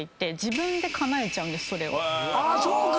あそうか！